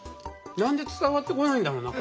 何で伝わってこないんだろうな？